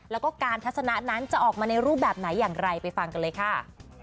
แล้วก็การทัศนะนั้นจะออกมาในรูปแบบไหนอย่างไรไปฟังกันเลยค่ะ